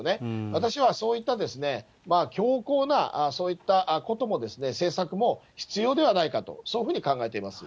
私はそういった強硬なそういったことも、政策も、必要ではないかと、そういうふうに考えています。